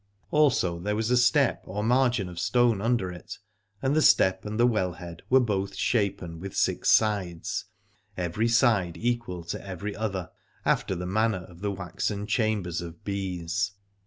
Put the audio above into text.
Also there was a step or 57 Aladore margin of stone under it, and the step and the well head were both shapen with six sides, every side equal to every other, after the manner of the waxen chambers of bees.